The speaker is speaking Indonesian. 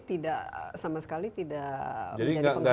tidak sama sekali tidak menjadi penggalang ya